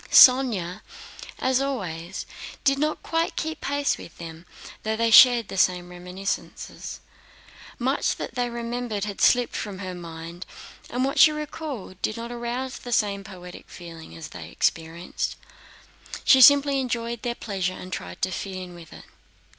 Sónya, as always, did not quite keep pace with them, though they shared the same reminiscences. Much that they remembered had slipped from her mind, and what she recalled did not arouse the same poetic feeling as they experienced. She simply enjoyed their pleasure and tried to fit in with it.